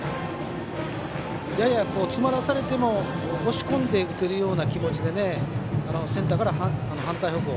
やや詰まらされても押し込んでいけるような気持ちでセンターから反対方向。